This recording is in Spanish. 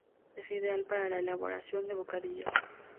Es ideal para la elaboración de bocadillos.